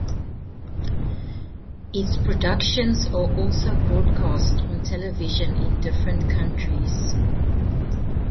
Its productions are also broadcast on television in different countries.